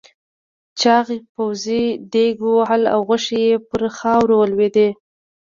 چاغ پوځي دېگ ووهلو او غوښې پر خاورو ولوېدې.